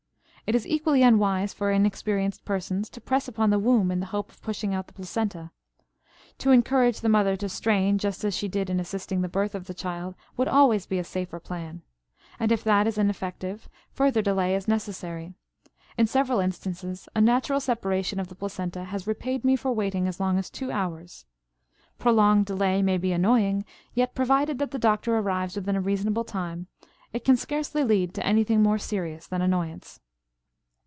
It is equally unwise for inexperienced persons to press upon the womb in the hope of pushing out the placenta. To encourage the mother to strain just as she did in assisting the birth of the child would always be a safer plan. And if that is ineffective, further delay is necessary; in several instances a natural separation of the placenta has repaid me for waiting as long as two hours. Prolonged delay may be annoying, yet, provided that the doctor arrives within a reasonable time, it can scarcely lead to anything more serious than annoyance.